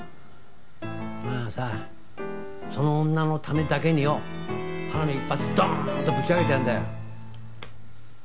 まあさその女のためだけによ花火一発ドーンとぶち上げてやるんだよ。